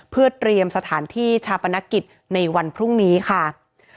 เพื่อเตรียมสถานที่ชาปนกิจในวันพรุ่งนี้ค่ะ